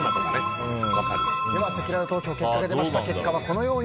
せきらら投票結果が出ました。